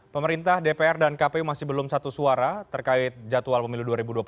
pemerintah dpr dan kpu masih belum satu suara terkait jadwal pemilu dua ribu dua puluh